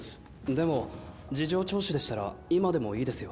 でも事情聴取でしたら今でもいいですよ。